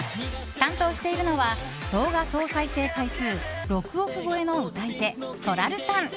担当しているのは動画総再生回数６億超えの歌い手そらるさん。